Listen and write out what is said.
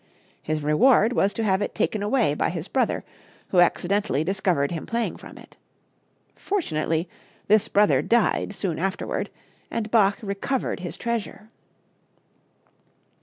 His reward was to have it taken away by his brother, who accidentally discovered him playing from it. Fortunately, this brother died soon afterward, and Bach recovered his treasure.